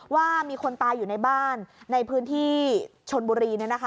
ว่ามีคนตายอยู่ในบ้านในพื้นที่ชนบุรี